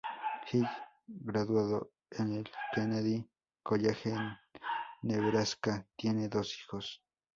Hill, graduado en el Kennedy College en Nebraska, tiene dos hijos.